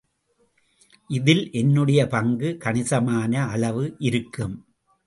இதில் என்னுடைய பங்கு கணிசமான அளவு இருக்கும்.